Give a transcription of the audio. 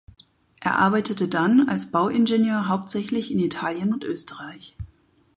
Er arbeitete dann als Bauingenieur hauptsächlich in Italien und Österreich.